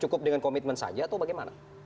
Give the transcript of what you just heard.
cukup dengan komitmen saja atau bagaimana